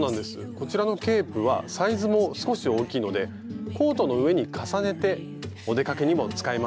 こちらのケープはサイズも少し大きいのでコートの上に重ねてお出かけにも使えますよね。